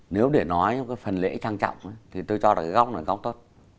nếu để nói cái phần lễ trang trọng thì tôi cho là cái góc này góc tốt